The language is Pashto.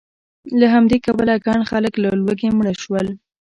له همدې کبله ګڼ خلک له لوږې مړه شول